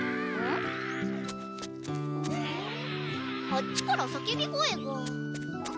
あっちからさけび声が。